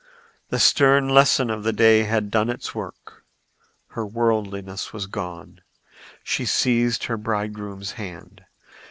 The stern lesson of the day had done its work; her worldliness was gone. She seized the bridegroom's hand.